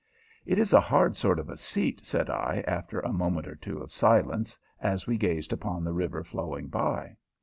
"It is a hard sort of a seat," said I, after a moment or two of silence, as we gazed upon the river flowing by.